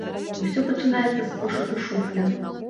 Усё пачынаецца з пошуку шуфля.